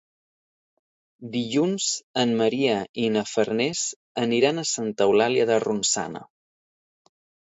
Dilluns en Maria i na Farners aniran a Santa Eulàlia de Ronçana.